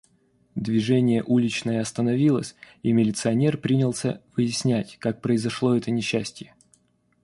Движение уличное остановилось и милиционер принялся выяснять, как произошло это несчастье.